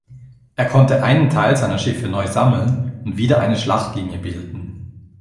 Er konnte einen Teil seiner Schiffe neu sammeln und wieder eine Schlachtlinie bilden.